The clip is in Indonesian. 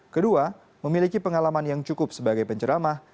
kedua memiliki pengalaman yang cukup sebagai penceramah